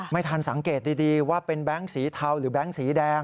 ไม่ทันสังเกตดีว่าเป็นแบงค์สีเทาหรือแบงค์สีแดง